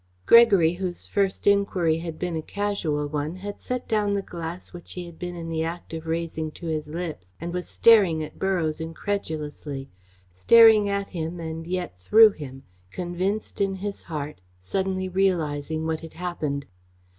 Gregory, whose first enquiry had been a casual one, had set down the glass which he had been in the act of raising to his lips and was staring at Borroughes incredulously; staring at him and yet through him, convinced in his heart, suddenly realising what had happened.